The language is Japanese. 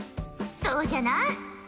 そうじゃな。